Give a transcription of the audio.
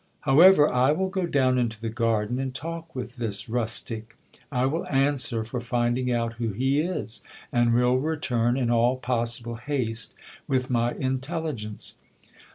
However, I will go down into the garden, and talk with this rustic I will answer for finding out who he is, and will return in all possible haste with my intelligence.